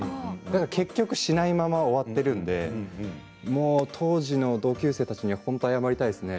結局しないまま終わっているので当時の同級生たちには本当に謝りたいですね。